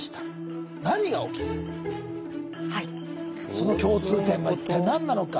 その共通点は一体何なのか？